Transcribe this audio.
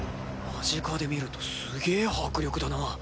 間近で見るとすげぇ迫力だな。